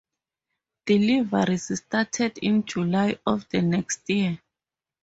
Deliveries started in July of the next year.